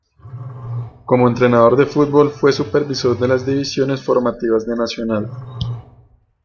Como entrenador de fútbol fue supervisor de las divisiones formativas de Nacional.